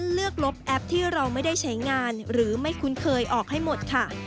ลบแอปที่เราไม่ได้ใช้งานหรือไม่คุ้นเคยออกให้หมดค่ะ